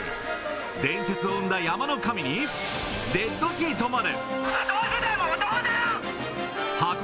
伝説を生んだ山の神に、デッドヒートまで。